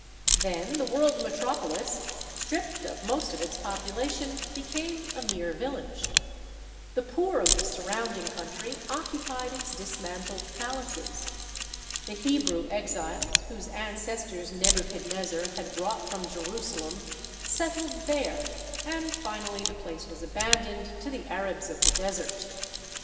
Then the world metrop olis, stripped of most of its population, became a mere village. The poor of the surrounding coun try occupied its dismantled palaces. The Hebrew exiles, whose ancestors Nebuchadnezzar had brought from Jerusalem, settled there, and finally the place was abandoned to the Arabs of the desert.